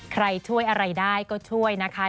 ใครช่วยอะไรได้ก็ช่วยนะคะ